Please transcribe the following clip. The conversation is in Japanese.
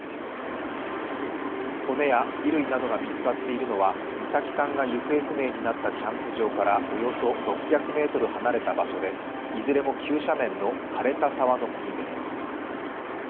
骨や衣類などが見つかっているのは美咲さんが行方不明になったキャンプ場からおよそ６００ｍ離れた場所でいずれも急斜面の枯れた沢の付近です。